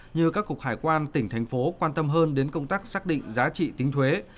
như các cục hải quan tỉnh thành phố quan tâm hơn đến công tác xác định giá trị tính thuế